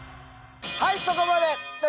はいそこまで！